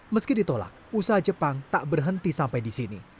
meski ditolak usaha jepang tak berhenti sampai di sini